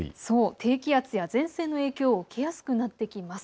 低気圧や前線の影響を受けやすくなってきます。